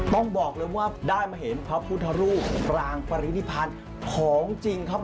ต้องบอกเลยว่าได้มาเห็นพระพุทธรูปรางปรินิพันธ์ของจริงครับ